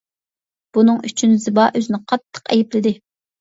بۇنىڭ ئۈچۈن زىبا ئۆزىنى قاتتىق ئەيىبلىدى.